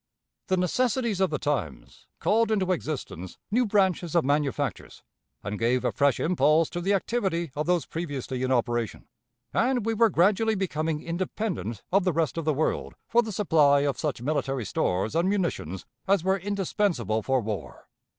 The necessities of the times called into existence new branches of manufactures, and gave a fresh impulse to the activity of those previously in operation, and we were gradually becoming independent of the rest of the world for the supply of such military stores and munitions as were indispensable for war.